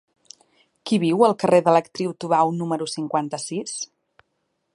Qui viu al carrer de l'Actriu Tubau número cinquanta-sis?